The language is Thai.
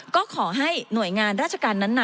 ก็ขอให้หน่วยงานราชการนั้น